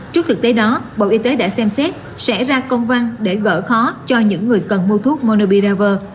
trước thực tế đó bộ y tế đã xem xét sẽ ra công văn để gỡ khó cho những người cần mua thuốc monobiraver